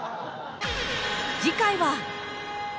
次回は